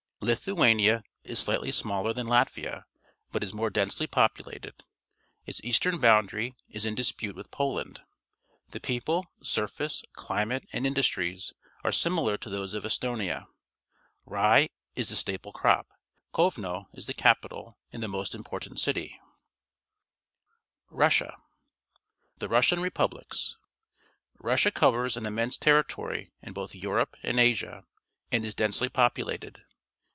— Lithuania is slightly smaller than Latvia, but is more densely populated. Its eastern boundary is in dispute with Poland. The people, surface, climate, and industries are similar to those of Estonia. Rye is the staple crop. Kovno is the capital and the most important city. RUSSIA '^'^ C f ^^ The Russian Republics. — Russia covers an immense territory in both Europe and Asia and is densely populated.